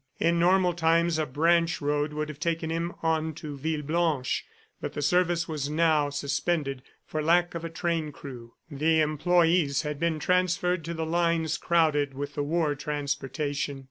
In normal times a branch road would have taken him on to Villeblanche, but the service was now suspended for lack of a train crew. The employees had been transferred to the lines crowded with the war transportation.